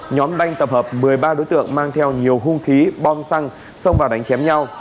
nhóm banh tập hợp một mươi ba đối tượng mang theo nhiều hung khí bom xăng xông vào đánh chém nhau